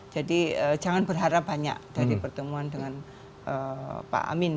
jadi jangan berharap banyak dari pertemuan dengan pak amin